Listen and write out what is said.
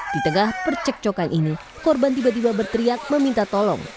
di tengah percekcokan ini korban tiba tiba berteriak meminta tolong